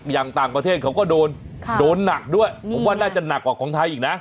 อย่างต่างประเทศเขาก็โดนโดนหนักด้วยผมว่าน่าจะหนักกว่าของไทยอีกนะ